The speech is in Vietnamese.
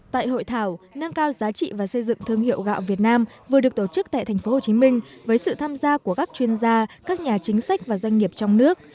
tại hội thảo nâng cao giá trị và xây dựng thương hiệu gạo việt nam vừa được tổ chức tại tp hcm với sự tham gia của các chuyên gia các nhà chính sách và doanh nghiệp trong nước